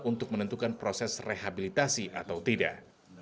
untuk menentukan proses rehabilitasi atau tidak